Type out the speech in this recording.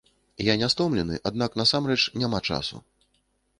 Я не стомлены, аднак насамрэч няма часу.